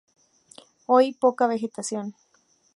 Hay poca vegetación.